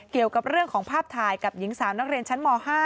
เกี่ยวกับเรื่องของภาพถ่ายกับหญิงสาวนักเรียนชั้นม๕